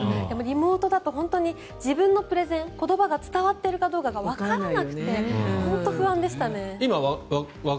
でもリモートだと本当に自分のプレゼン言葉が伝わっているかどうかわからなくて本当に不安でしたね。